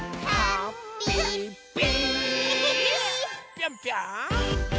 ぴょんぴょん！